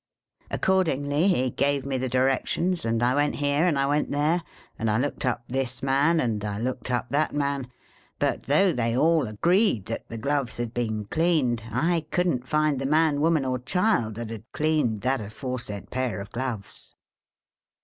Accordingly, he gave me the directions, and I went here, and I went there, and I looked up this man, and I looked up that man ; but, though they all agreed that the gloves had been cleaned, I couldn't find the man, woman, or child, that had cleaned that aforesaid pair of gloves.